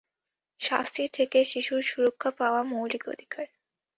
শাস্তি থেকে শিশুর সুরক্ষা পাওয়া মৌলিক অধিকার।